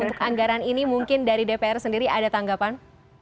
untuk anggaran ini mungkin dari dpr sendiri ada tanggapan